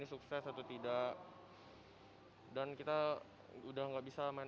di mana waktu tiap waktu kita kita akan berjalan